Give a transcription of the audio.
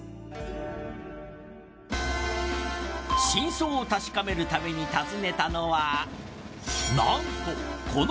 真相を確かめるために訪ねたのはなんと。